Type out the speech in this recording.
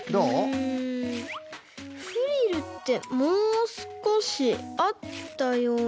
うんフリルってもうすこしあったような。